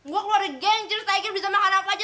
gue keluarin geng cilis tiger bisa makan apa aja